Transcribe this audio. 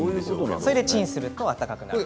それでチンをすると温かくなります。